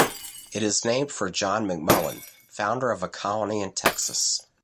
It is named for John McMullen, founder of a colony in Texas.